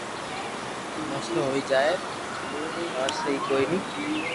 مسئلو ھوئي جائين ٽار سھي ڪوئي ني